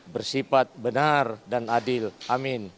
bersifat benar dan adil amin